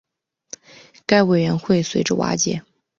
该委员会随之瓦解。